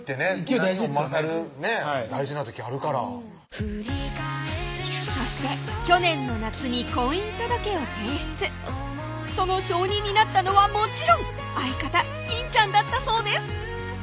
何にも勝る大事な時あるからそして去年の夏に婚姻届を提出その証人になったのはもちろん相方・金ちゃんだったそうです